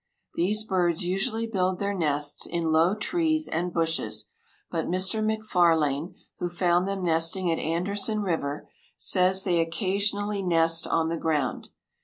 These birds usually build their nests in low trees and bushes, but Mr. MacFarlane, who found them nesting at Anderson River, says they occasionally nest on the ground.